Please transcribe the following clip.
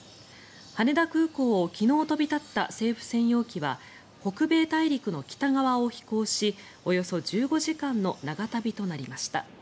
羽田空港を昨日飛び立った政府専用機は北米大陸の北側を飛行しおよそ１５時間の長旅となりました。